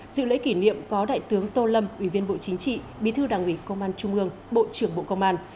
dự lễ kỷ niệm có đại tướng tô lâm ủy viên bộ chính trị bí thư đảng ủy công an trung ương bộ trưởng bộ công an